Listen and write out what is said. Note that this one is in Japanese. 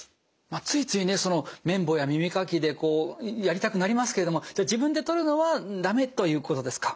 ついつい綿棒や耳かきでやりたくなりますけれども自分で取るのはだめということですか？